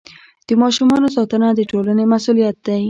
د ماشومانو ساتنه د ټولنې مسؤلیت دی.